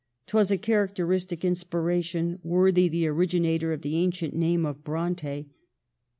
'Twas a characteristic inspiration, worthy the originator of the ancient name of Bronte.